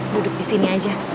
duduk disini aja